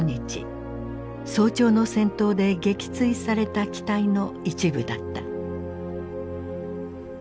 早朝の戦闘で撃墜された機体の一部だった。